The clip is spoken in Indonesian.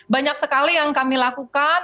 banyak sekali yang kami lakukan